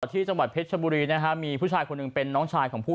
ที่จังหวัดเพชรชบุรีนะฮะมีผู้ชายคนหนึ่งเป็นน้องชายของผู้